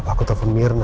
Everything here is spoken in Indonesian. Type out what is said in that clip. apa aku telfon mirna ya